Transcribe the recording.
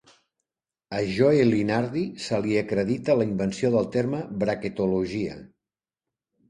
A Joe Lunardi se li acredita la invenció del terme "bracketologia".